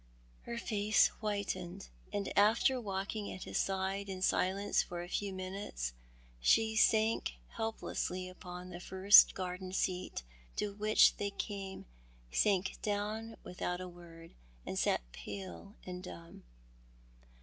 Her face whitened, and after walking at his side in silence for a few minutes she sank helplessly upon the first garden seat to which they came, sank down without a word, and sat pale and dumb.